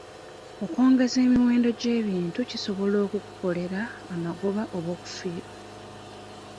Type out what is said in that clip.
Okwongeza emiwendo gy'ebintu kisobola okukukolera amagoba oba okufiirwa.